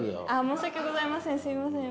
申し訳ございません。